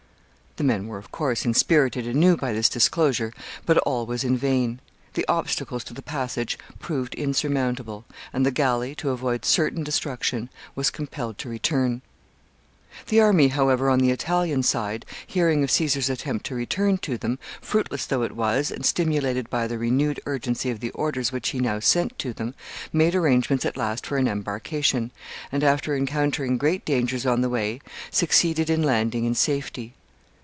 The men were, of course, inspirited anew by this disclosure, but all was in vain. The obstacles to the passage proved insurmountable, and the galley, to avoid certain destruction, was compelled to return. [Sidenote: Caesar lands the remainder of his army.] The army, however, on the Italian side, hearing of Caesar's attempt to return to them, fruitless though it was, and stimulated by the renewed urgency of the orders which he now sent to them, made arrangements at last for an embarkation, and, after encountering great dangers on the way, succeeded in landing in safety.